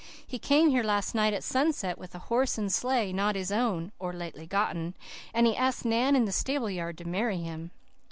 He came here last night at sunset, with a horse and sleigh not his own, or lately gotten, and he asked Nan in the stable yard to marry him.